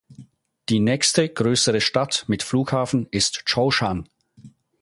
Die nächste größere Stadt mit Flughafen ist Zhoushan.